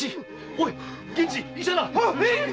おい源次医者だ！